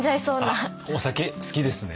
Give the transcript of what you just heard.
あっお酒好きですね？